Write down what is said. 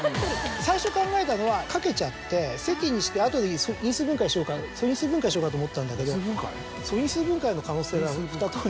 最初考えたのは掛けちゃって積にして後で素因数分解しようかと思ったんだけど素因数分解の可能性は２通り。